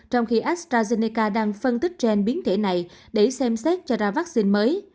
trong khi astrazeneca đang phân tích trên biến thể này để xem xét cho ra vaccine mới